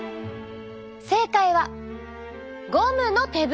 正解はゴムの手袋。